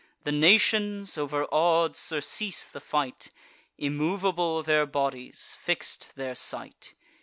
The nations, overaw'd, surcease the fight; Immovable their bodies, fix'd their sight.